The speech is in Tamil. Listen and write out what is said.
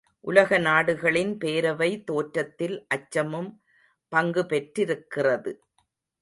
உலக நாடுகளின் பேரவை தோற்றத்தில் அச்சமும் பங்கு பெற்றிருக்கிறது.